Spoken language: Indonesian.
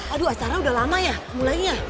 aduh acaranya udah lama ya mulainya